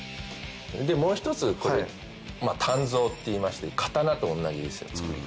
もう一つこれ鍛造っていいまして刀と同じですよ作り方。